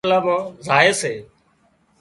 پرٻلا مان زائي سي